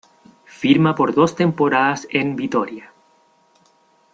Firma por dos temporadas en Vitoria.